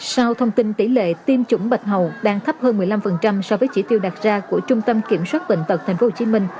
sau thông tin tỷ lệ tiêm chủng bạch hầu đang thấp hơn một mươi năm so với chỉ tiêu đặt ra của trung tâm kiểm soát bệnh tật tp hcm